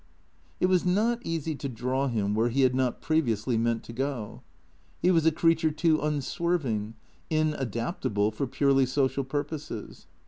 It was not easy to draw him where he had not previously meant to go. He was a creature too unswerving, inadaptable for purely social purposes.